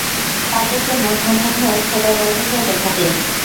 তাদের জন্য ঘূর্ণিঝড় খোদার গজব হয়ে দেখা দেয়।